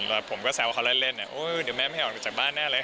แล้วผมก็แซวว่าเขาเล่นเนี่ยโอ๊ยเดี๋ยวแม่ไม่ออกจากบ้านน่ะเลย